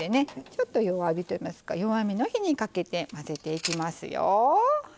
ちょっと弱火といいますか弱めの火にかけて混ぜていきますよ。